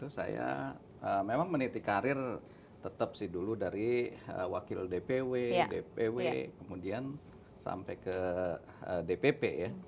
saya memang meniti karir tetap dulu dari wakil dpw kemudian sampai ke dpp